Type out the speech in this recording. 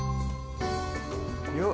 よっ！